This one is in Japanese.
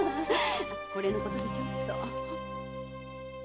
これのことでちょっと。